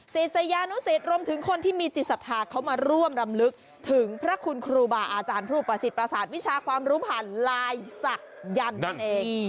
ศิษยานุสิตรวมถึงคนที่มีจิตศรัทธาเขามาร่วมรำลึกถึงพระคุณครูบาอาจารย์ผู้ประสิทธิประสาทวิชาความรู้ผ่านลายศักยันต์นั่นเอง